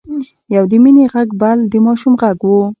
يو د مينې غږ بل د ماشوم غږ و.